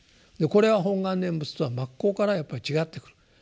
これは本願念仏とは真っ向からやっぱり違ってくる。